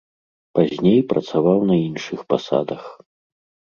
Пазней працаваў на іншых пасадах.